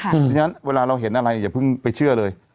เพราะฉะนั้นเวลาเราเห็นอะไรอย่าเพิ่งไปเชื่อเลย